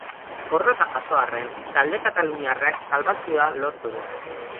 Porrota jaso arren, talde kataluniarrak salbazioa lortu du.